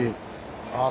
ああ